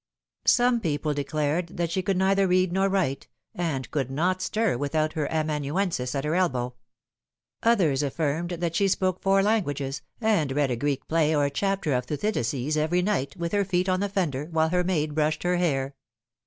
Some people declared that she could neither read nor write, and could not stir without her amanuensis at her elbow ; others affirmed that she spoke four languages, and read a Greek play or a chapter of Thucydides every night, with her feet on the fender, while her maid brushed her hair.